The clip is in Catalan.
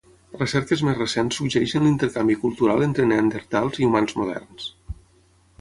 Recerques més recents suggereixen l'intercanvi cultural entre neandertals i humans moderns.